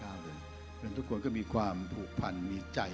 เพราะฉะนั้นทุกคนก็มีความผูกพันมีใจ